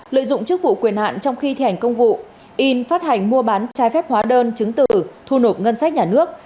lợi dụng chức vụ quyền hạn trong khi thi hành công vụ in phát hành mua bán trái phép hóa đơn chứng tử thu nộp ngân sách nhà nước